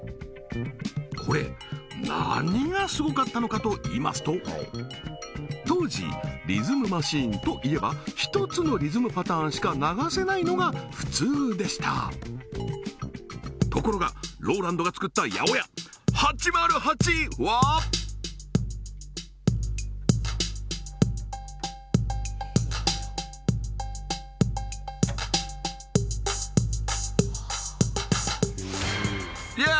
これ何がすごかったのかといいますと当時リズムマシンといえば１つのリズムパターンしか流せないのが普通でしたところがローランドが作ったやおや８０８はＹｏ！